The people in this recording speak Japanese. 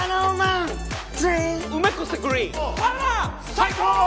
最高！